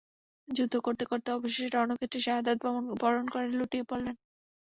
যুদ্ধ করতে করতে অবশেষে রণক্ষেত্রেই শাহাদাত বরণ করে লুটিয়ে পড়লেন।